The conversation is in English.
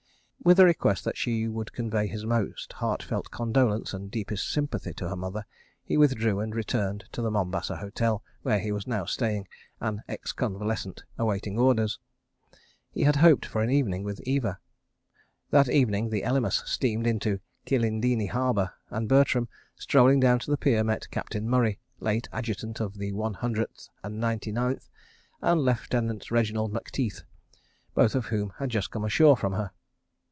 With a request that she would convey his most heart felt condolence and deepest sympathy to her mother, he withdrew and returned to the Mombasa Hotel, where he was now staying, an ex convalescent awaiting orders. .. He had hoped for an evening with Eva. That evening the Elymas steamed into Kilindini harbour and Bertram, strolling down to the pier, met Captain Murray, late Adjutant of the One Hundred and Ninety Ninth, and Lieutenant Reginald Macteith, both of whom had just come ashore from her.